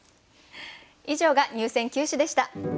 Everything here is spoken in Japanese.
以上が入選九首でした。